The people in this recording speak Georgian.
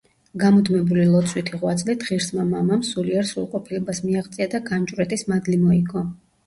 გამუდმებული ლოცვითი ღვაწლით ღირსმა მამამ სულიერ სრულყოფილებას მიაღწია და განჭვრეტის მადლი მოიგო.